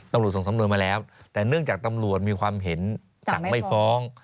ส่งสำนวนมาแล้วแต่เนื่องจากตำรวจมีความเห็นสั่งไม่ฟ้อง